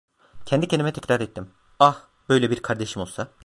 Kendi kendime tekrar ettim: "Ah, böyle bir kardeşim olsa!"